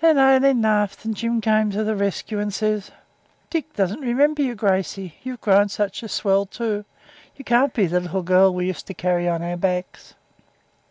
Then Aileen laughed, and Jim comes to the rescue and says 'Dick doesn't remember you, Gracey. You've grown such a swell, too. You can't be the little girl we used to carry on our backs.'